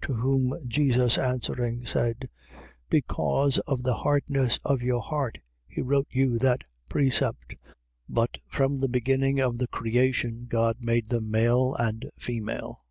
10:5. To whom Jesus answering, said: Because of the hardness of your heart, he wrote you that precept. 10:6. But from the beginning of the creation, God made them male and female.